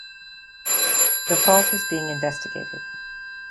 The fault is being investigated.